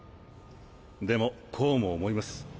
でもこうも思います。